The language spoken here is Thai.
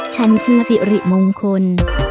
ฉันคือสิริมงคล